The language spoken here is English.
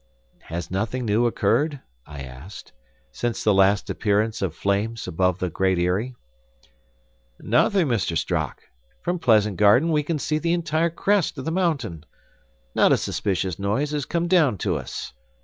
"Has nothing new occurred," I asked, "since the last appearance of flames above the Great Eyrie?" "Nothing, Mr. Strock. From Pleasant Garden we can see the entire crest of the mountain. Not a suspicious noise has come down to us.